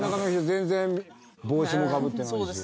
全然帽子もかぶってないし。